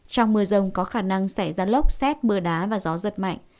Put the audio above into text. trong mưa rông có khả năng sẽ ra lốc xét mưa đá và gió rất mạnh